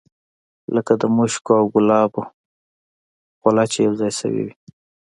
لکه د مشکو او ګلابو خوله چې یو ځای شوې وي.